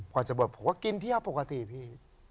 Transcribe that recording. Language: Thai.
พอจะบวชผมก็กินเที่ยวปกติพี่